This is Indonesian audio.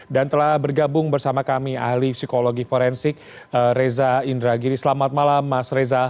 dan telah bergabung bersama kami ahli psikologi forensik reza indragiri selamat malam mas reza